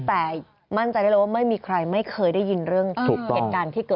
แต่มั่นใจได้เลยว่าไม่มีใครไม่เคยได้ยินเรื่องเหตุการณ์ที่เกิด